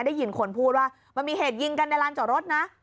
ได้ยินคนพูดว่ามันมีเหตุยิงกันในลานจอดรถนะ